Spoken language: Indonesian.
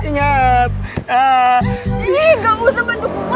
ih gak usah bantu kuah